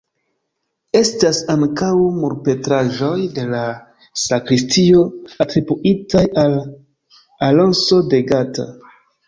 Estas ankaŭ murpentraĵoj de la sakristio atribuitaj al Alonso de Gata.